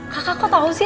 kakak kok tau sih